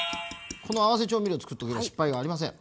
この合わせ調味料をつくっておけば失敗がありません。